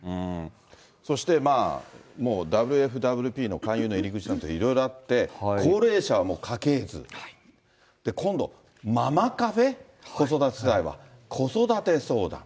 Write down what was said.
そして、もうＷＦＷＰの会員への入り口なんていろいろあって、高齢者は家系図、今度、ママカフェ、子育て世代は、子育て相談。